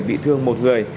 bị thương một người